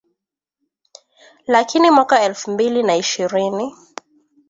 Lakini mwaka elfu mbili na ishirini